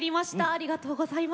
ありがとうございます。